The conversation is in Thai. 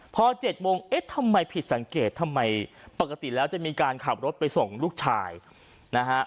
พอ๗โมงเอ๊ะทำไมผิดสังเกตทำไมปกติแล้วจะมีการขับรถไปส่งลูกชายนะฮะ